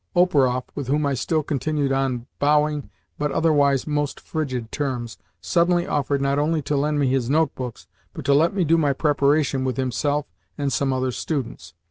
Operoff, with whom I still continued on bowing, but otherwise most frigid, terms, suddenly offered not only to lend me his notebooks, but to let me do my preparation with himself and some other students.